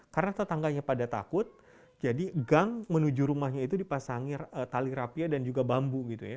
karena tetangganya pada takut jadi gang menuju rumahnya itu dipasangi tali rapia dan juga bambu gitu ya